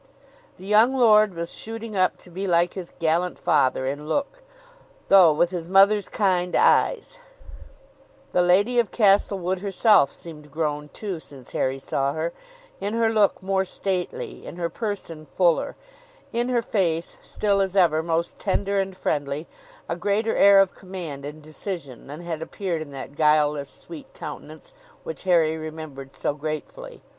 The young lord was shooting up to be like his gallant father in look, though with his mother's kind eyes: the lady of Castlewood herself seemed grown, too, since Harry saw her in her look more stately, in her person fuller, in her face still as ever most tender and friendly, a greater air of command and decision than had appeared in that guileless sweet countenance which Harry remembered so gratefully.